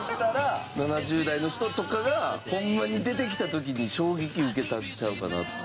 ７０代の人とかがホンマに出てきた時に衝撃受けたんちゃうかなっていう。